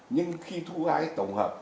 nhưng khi thu hái tổng hợp